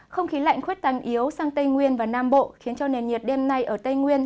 không khí lạnh khuyết tăng yếu sang tây nguyên và nam bộ khiến cho nền nhiệt đêm nay ở tây nguyên